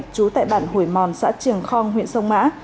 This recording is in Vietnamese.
trú tại bản hồi mòn xã triềng khong huyện sông mã